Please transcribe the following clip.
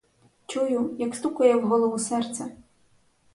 Чую, як стукає в голову серце.